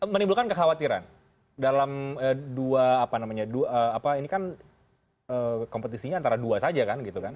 menimbulkan kekhawatiran dalam dua ini kan kompetisinya antara dua saja kan